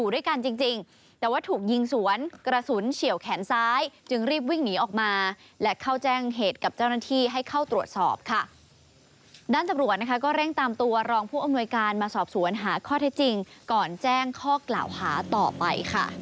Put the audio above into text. ด้านตำรวจนะคะก็เร่งตามตัวรองผู้อำนวยการมาสอบสวนหาข้อเท็จจริงก่อนแจ้งข้อกล่าวหาต่อไปค่ะ